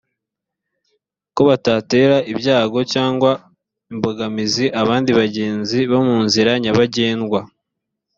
ko batatera ibyago cyangwa imbogamizi abandi bagenzi bo mu nzira nyabagendwa